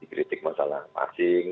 dikritik masalah passing